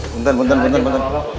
bentar bentar bentar